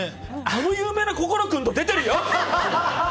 あの有名な心君と出てる！って。